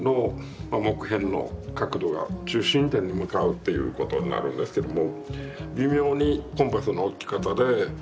っていうことになるんですけども。